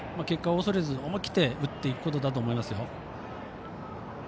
結果を恐れず思い切って打っていくことだと思いますよ。